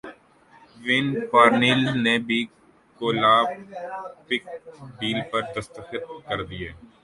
when Parnell نے بھی Kolpak deal پر دستخط کردیے